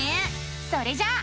それじゃあ。